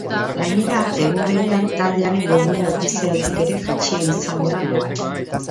Gainera, egun berean taldearen webgune ofizialetik ere jaitsi ahal izango da doan.